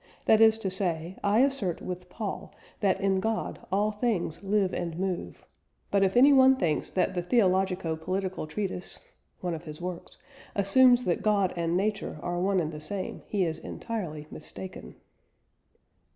That is to say, I assert with Paul, that in God all things live and move.... But if any one thinks that the Theologico Political Treatise (one of his works) assumes that God and Nature are one and the same, he is entirely mistaken."